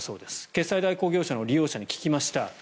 決済代行業者の利用者に聞きました。